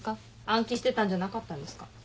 暗記してたんじゃなかったんですか。